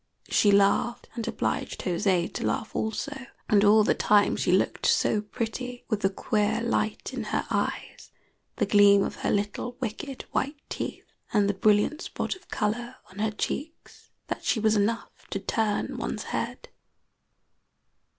She laughed, and obliged José to laugh also, and all the time she looked so pretty, with the queer light in her eyes, the gleam of her little wicked white teeth, and the brilliant spot of color on her cheeks, that she was enough to turn one's head.